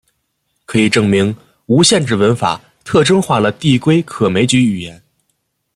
可以证明无限制文法特征化了递归可枚举语言。